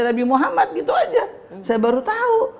nabi muhammad gitu aja saya baru tahu